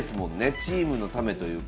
チームのためというか。